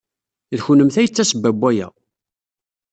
D kennemti ay d tasebba n waya.